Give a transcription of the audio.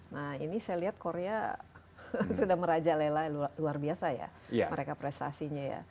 nah ini saya lihat korea sudah merajalela luar biasa ya mereka prestasinya ya